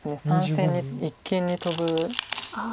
３線に一間にトブ。